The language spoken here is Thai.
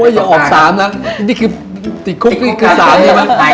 หนึ่งออก๓นะนี่คือยังไฟ